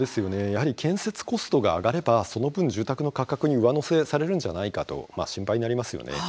やはり建設コストが上がればその分住宅の価格に上乗せされるんじゃないかと心配になりますよね。